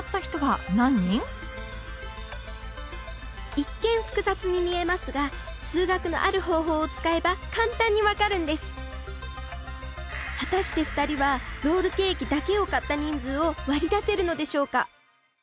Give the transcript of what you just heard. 一見複雑に見えますが数学のある方法を使えば簡単にわかるんです果たして２人はロールケーキだけを買った人数を割り出せるのでしょうか？